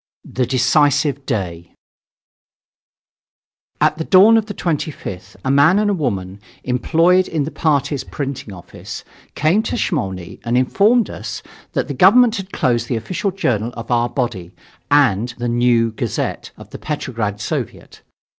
THE DECISIVE DAY At the dawn of the 25th, a man and woman, employed in the party's printing office, came to Smolny and informed us that the government had closed the official journal of our body and the "New Gazette" of the Petrograd Soviet.